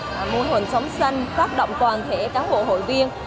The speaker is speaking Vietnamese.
bên cạnh mô hình trồng rau sạch môi hồn sống xanh phát động toàn thể cán bộ hội viên